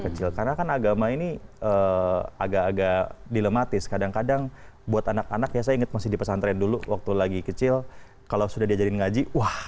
ketika berada di dunia ais wanahla dan usianya belum genap empat tahun tapi ia sudah mampu menghafal lebih dari dua puluh jenis salawat